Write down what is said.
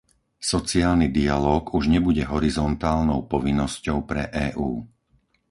Sociálny dialóg už nebude horizontálnou povinnosťou pre EÚ.